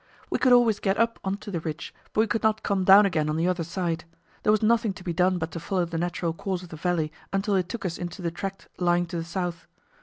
We could always get up on to the ridge, but we could not come down again on the other side; there was nothing to be done but to follow the natural course of the valley until it took us into the tract lying to the south.